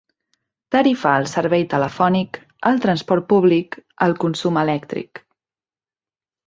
Tarifar el servei telefònic, el transport públic, el consum elèctric.